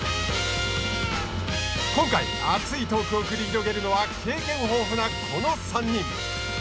今回、熱いトークを繰り広げるのは経験豊富なこの３人。